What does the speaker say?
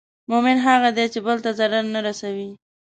مؤمن هغه دی چې بل ته ضرر نه رسوي.